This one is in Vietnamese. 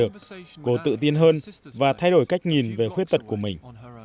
cô tự tin hơn và thay đổi cách nhìn về khuyết tật của mình